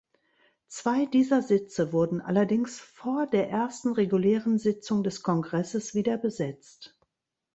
Zwei dieser Sitze wurden allerdings vor der ersten regulären Sitzung des Kongresses wieder besetzt.